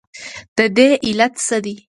ددې علت څه دی؟